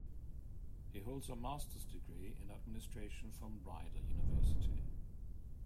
He holds a master's degree in administration from Rider University.